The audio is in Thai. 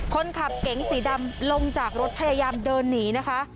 คนขับเก๋งสีดำลงจากรถพยายามเดินหนีนะคะ